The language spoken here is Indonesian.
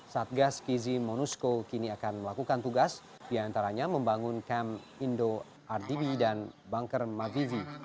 satgas kizi monusco kini akan melakukan tugas diantaranya membangun kamp indo rdb dan banker mavizi